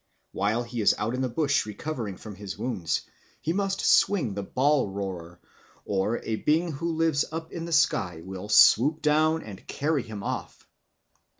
While he is out in the bush recovering from his wounds, he must swing the bull roarer, or a being who lives up in the sky will swoop down and carry him off.